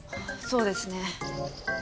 そうですね。